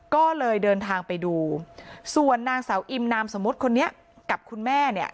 ก็เลยเดินทางไปดูส่วนนางสาวอิมนามสมมุติคนนี้กับคุณแม่เนี่ย